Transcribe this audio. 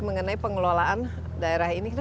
mengenai pengelolaan daerah ini